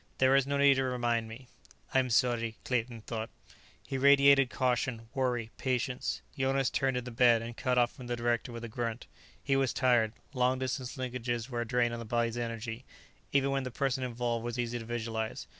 "There is no need to remind me." "I'm sorry," Claerten thought. He radiated caution, worry, patience; Jonas turned in the bed and cut off from the director with a grunt. He was tired; long distance linkages were a drain on the body's energy, even when the person involved was easy to visualize.